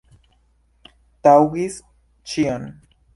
Taŭgis ĉio.